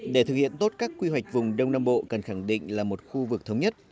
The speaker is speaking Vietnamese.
để thực hiện tốt các quy hoạch vùng đông nam bộ cần khẳng định là một khu vực thống nhất